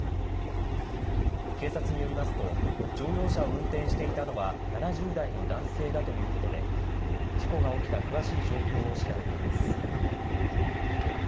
警察によりますと乗用車を運転していたのは７０代の男性だということで事故が起きた詳しい状況を調べています。